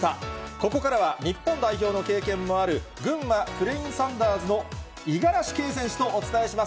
ここからは日本代表の経験もある、群馬クレインサンダーズの五十嵐圭選手とお伝えします。